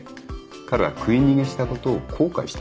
彼は食い逃げしたことを後悔した。